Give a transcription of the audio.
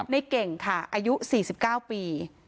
ในเก่งค่ะอายุ๔๙ปี